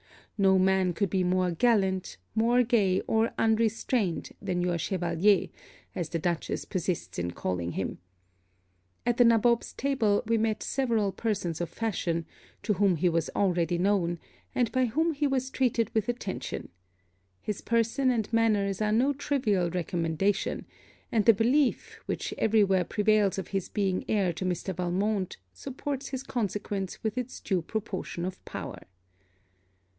No man could be more gallant, more gay, or unrestrained, than your chevalier, as the Dutchess persists in calling him. At the nabob's table we met several persons of fashion, to whom he was already known, and by whom he was treated with attention. His person and manners are no trivial recommendation; and the belief which every where prevails of his being heir to Mr. Valmont supports his consequence with its due proportion of power.